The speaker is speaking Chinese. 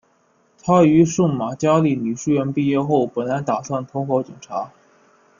她于圣玛加利女书院毕业后本来打算投考警察。